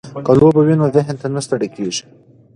که لوبه وي نو ذهن نه ستړی کیږي.